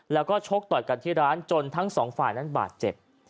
แล้วก็ชกต่อยกันที่ร้านจนทั้งสองฝ่ายนั้นบาดเจ็บ